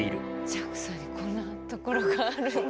ＪＡＸＡにこんなところがあるんだ。